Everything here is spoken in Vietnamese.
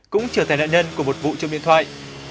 cũng trở thành nạn nhân của một vụ trộm điện thoại